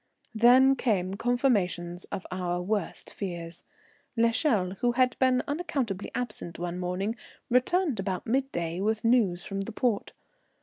Then came confirmations of our worst fears. L'Echelle, who had been unaccountably absent one morning, returned about midday with news from the port.